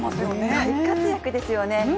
大活躍ですよね。